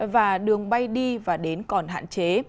và đường bay đi và đến còn hạn chế